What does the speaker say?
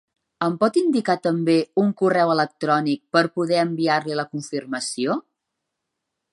Em pot indicar també un correu electrònic per poder enviar-li la confirmació?